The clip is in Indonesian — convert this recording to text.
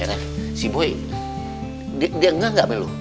eh si boy dia enggak enggak melu